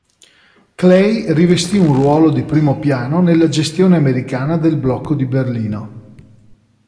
Clay rivestì un ruolo di primo piano nella gestione americana del blocco di Berlino.